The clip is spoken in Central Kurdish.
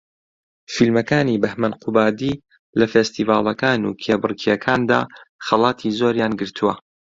فیلمەکانی بەھمەن قوبادی لە فێستیڤاڵەکان و کێبەرکێکاندا خەڵاتی زۆریان گرتووە